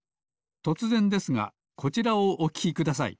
とつぜんですがこちらをおききください。